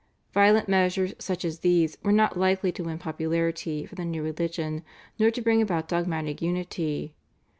Violent measures such as these were not likely to win popularity for the new religion, nor to bring about dogmatic unity.